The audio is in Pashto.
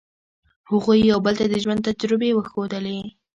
هغوی یو بل ته د ژوند تجربې وښودلې.